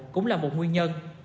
cũng là một nguyên nhân